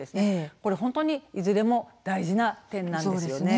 これ本当にいずれも、大事な点なんですよね。